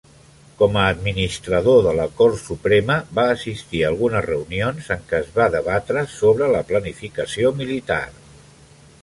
Com a administrador de la Cort Suprema, va assistir a algunes reunions en què es va debatre sobre la planificació militar.